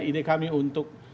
ide kami untuk